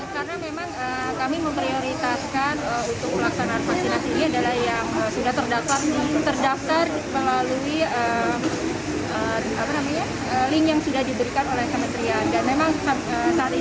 karena memang kami memprioritaskan untuk pelaksanaan vaksinasi ini adalah yang sudah terdaftar melalui link yang sudah diberikan oleh kementerian